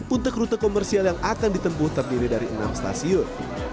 untuk rute komersial yang akan ditempuh terdiri dari enam stasiun